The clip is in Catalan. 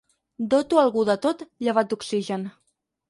Doto algú de tot llevat d'oxigen.